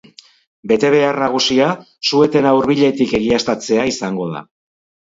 Betebehar nagusia su-etena hurbiletik egiaztatzea izango da.